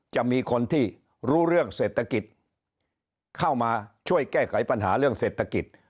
จะมีคนที่รู้เรื่องเศรษฐกิจเข้ามาช่วยแก้ไขปัญหาเรื่องเศรษฐกิจ